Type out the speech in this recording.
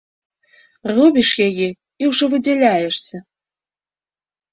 Робіш яе і ўжо выдзяляешся.